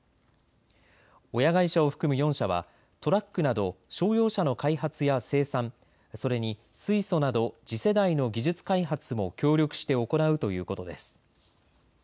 親会社を含む４社はトラックなど商用車の開発や生産、それに水素など次世代の技術開発も協力して行うということです。